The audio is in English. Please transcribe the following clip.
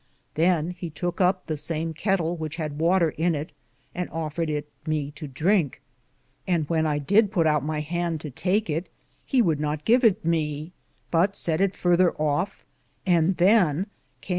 Than he touke up the same ketle which had water in it, and offer it me to drinke. And when I did put out my hande to take it, he would not give it me, but sett it further of, and than cam 22 DALLAM'S TRAVELS.